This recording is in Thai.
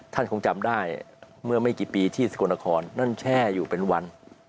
ท่านคงจำได้เมื่อไม่กี่ปีที่สกลนครนั่นแช่อยู่เป็นวัน